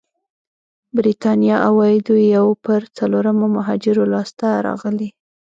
برېتانيا عوايدو یو پر څلورمه مهاجرو لاسته راغلي.